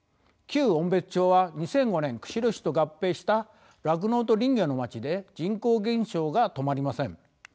旧音別町は２００５年釧路市と合併した酪農と林業の町で人口減少が止まりません。